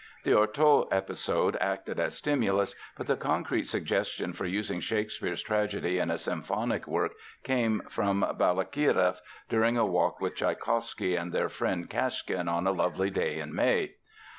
The Artôt episode acted as stimulus, but the concrete suggestion for using Shakespeare's tragedy in a symphonic work came from Balakireff during a walk with Tschaikowsky and their friend Kashkin "on a lovely day in May."